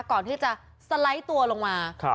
ก่อนที่จะสไลด์ตัวลงมา